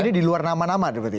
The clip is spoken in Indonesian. jadi di luar nama nama berarti ya